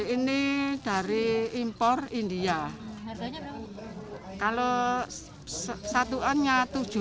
ini dari impor india kalau satuannya tujuh